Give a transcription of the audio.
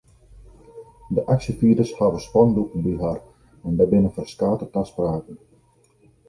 De aksjefierders hawwe spandoeken by har en der binne ferskate taspraken.